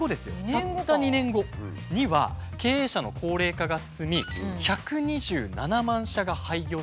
たった２年後には経営者の高齢化が進み１２７万社が廃業する。